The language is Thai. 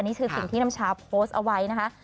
นี่คือสิ่งที่น้ำชาโพสต์เอาไว้นะคะ